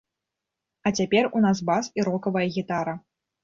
А цяпер у нас бас і рокавая гітара.